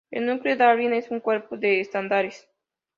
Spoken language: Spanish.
El Núcleo Darwin es un cuerpo de estándares.